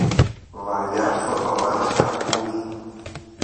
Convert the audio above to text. βαριά φορτωμένα καρπούς